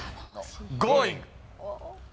Ｇｏｉｎｇ！